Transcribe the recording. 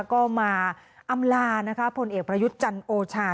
ก็มาอำลานะคะผลเอกประยุทธ์จันทร์โอชา